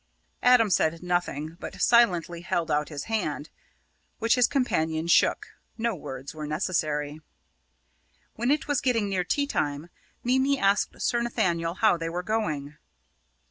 Adam said nothing, but silently held out his hand, which his companion shook: no words were necessary. When it was getting near tea time, Mimi asked Sir Nathaniel how they were going.